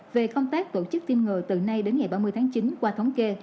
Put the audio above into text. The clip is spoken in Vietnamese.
về công tác tổ chức tiêm ngừa từ nay đến ngày ba mươi tháng chín qua thống kê